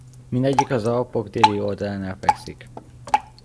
Mindegyik az Alpok déli oldalánál fekszik.